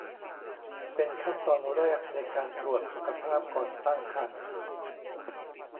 เป็นขั้นตอนแรกในการตรวจสุขภาพก่อนตั้งครรภ์